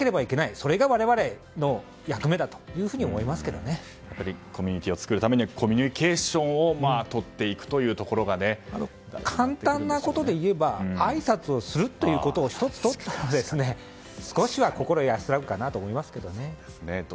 それが我々の役目だとやっぱりコミュニティーを作るためにはコミュニケーションを簡単なことでいえばあいさつをするということを１つとったら、少しは心安らぐかと思うんですけど。